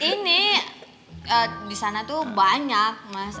ini di sana tuh banyak mas